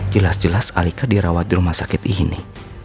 jelas jelas alika dirawat di rumah sakit ini